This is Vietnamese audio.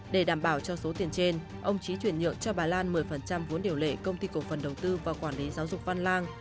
để đảm bảo cho số tiền trên ông trí chuyển nhượng cho bà lan một mươi vốn điều lệ công ty cổ phần đầu tư và quản lý giáo dục văn lang